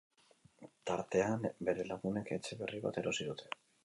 Tartean bere lagunek etxe berri bat erosi dute.